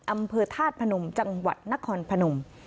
อำเภอธาตุพนมจังหวัดนครพนม